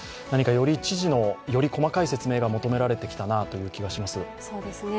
何か知事の、より細かい説明が求められてきたなという気がします。